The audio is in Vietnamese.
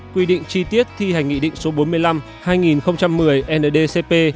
quy định chi tiết thi hành nghị định số bốn mươi năm hai nghìn một mươi ndcp